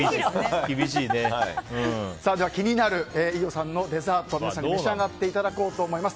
気になる飯尾さんのデザート皆さんに召し上がっていただこうと思います。